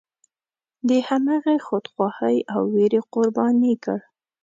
د همغې خودخواهۍ او ویرې قرباني کړ.